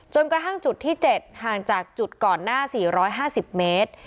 จนกระทั่งจุดที่เจ็ดห่างจากจุดก่อนหน้าสี่ร้อยห้าสิบเมตร